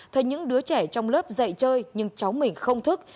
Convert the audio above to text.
thấy những đứa trẻ trong lớp dạy chơi nhưng cháu mình không thức